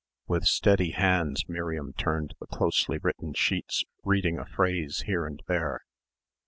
With steady hands Miriam turned the closely written sheets reading a phrase here and there